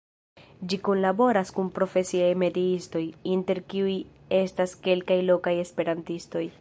Ĝi kunlaboras kun profesiaj metiistoj, inter kiuj estas kelkaj lokaj esperantistoj.